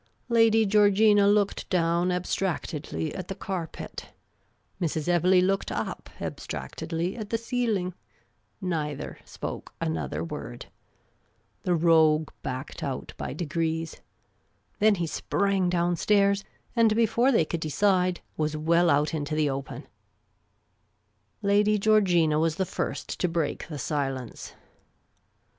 Lady Georgina looked down abstractedly at the carpet. Mrs. Evelegh looked up abstractedly at the ceiling. Neither s g a u S >< m a u ao The Amateur Commission Agent 119 spoke another word. The ro<;iie backed out by degrees. Then he sprang down stairs, and before they could decide was well out into the open. Lady Georgina was the first to break the silence.